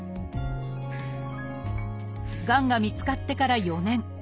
がんが見つかってから４年。